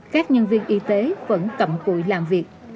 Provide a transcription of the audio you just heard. các nhân viên y tế vẫn cầm cụi làm việc